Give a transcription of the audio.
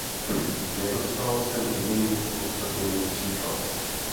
Nedostal jsem jediný opodstatněný příklad.